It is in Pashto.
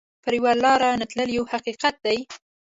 پر یوه لار نه تلل یو حقیقت دی.